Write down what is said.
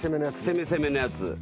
攻め攻めのやつ。